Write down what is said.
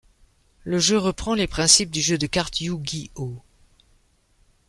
Le jeu reprend les principes du jeu de carte Yu-Gi-Oh!.